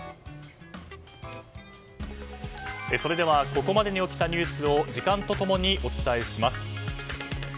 それではここまでに起きたニュースを時間と共にお伝えします。